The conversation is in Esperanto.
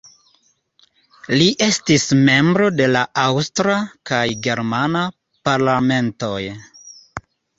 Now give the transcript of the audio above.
Li estis membro de la aŭstra kaj germana parlamentoj.